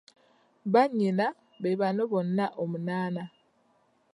Bannyina be bano bonna omunaana.